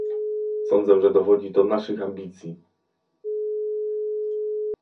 Sądzę, że dowodzi to naszych ambicji